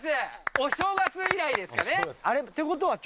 お正月以来ですかね。